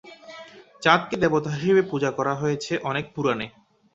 চাঁদকে দেবতা হিসেবে পূজা করা হয়েছে অনেক পুরাণে।